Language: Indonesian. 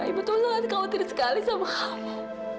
amira itu sangat khawatir sekali sama kamu